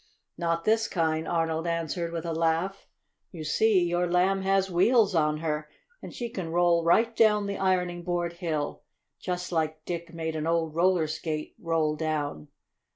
"Not this kind," Arnold answered, with a laugh. "You see your Lamb has wheels on her, and she can roll right down the ironing board hill, just like Dick made an old roller skate roll down.